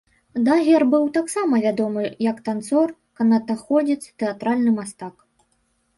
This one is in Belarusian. Дагер быў таксама вядомы як танцор, канатаходзец, тэатральны мастак.